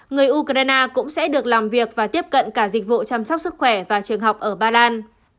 người ukraine cũng sẽ được làm việc và tiếp cận cả dịch vụ chăm sóc sức khỏe và trường học ở ba lan